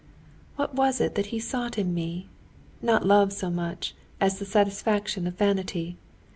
"What was it he sought in me? Not love so much as the satisfaction of vanity."